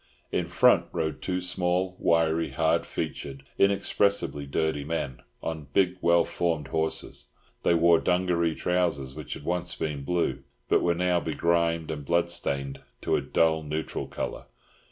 In front rode two small, wiry, hard featured, inexpressibly dirty men on big well formed horses. They wore dungaree trousers, which had once been blue, but were now begrimed and bloodstained to a dull neutral colour.